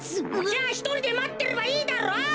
じゃあひとりでまってればいいだろう。